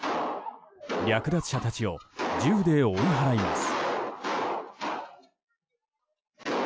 略奪者たちを銃で追い払います。